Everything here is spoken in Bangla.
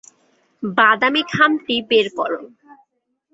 বাদামী খামটি বের করো।